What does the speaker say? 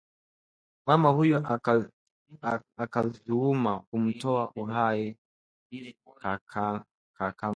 Mama huyo akazuumu kumtoa uhai kakangu